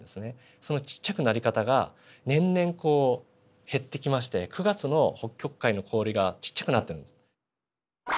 そのちっちゃくなり方が年々こう減ってきまして９月の北極海の氷がちっちゃくなってるんです。